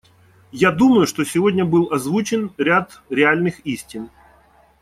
Я думаю, что сегодня был озвучен ряд реальных истин.